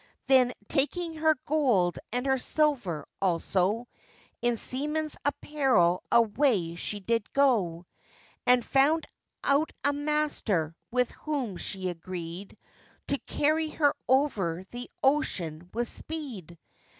Then, taking her gold and her silver alsò, In seaman's apparel away she did go, And found out a master, with whom she agreed, To carry her over the ocean with speed.